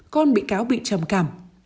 con bị cáo bị trầm cảm